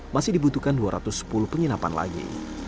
masih dibutuhkan dua ratus sepuluh penginapan lagi